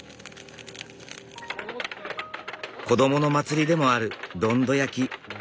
子どもの祭りでもあるどんど焼き。